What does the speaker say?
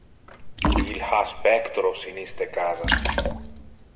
Il ha spectros in iste casa.